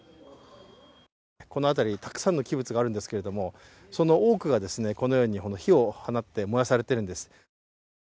この辺り、たくさんのキブツがあるんですけれども、その多くが、このように火を放って燃やされているんです。